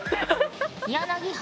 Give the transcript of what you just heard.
柳原。